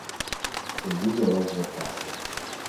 І будзе рост запасаў.